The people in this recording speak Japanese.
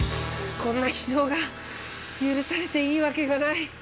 こんな非道が許されていいわけがない。